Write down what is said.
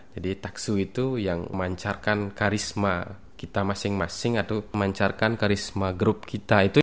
jadi taksu itu yang memancarkan karisma kita masing masing atau memancarkan karisma grup kita itu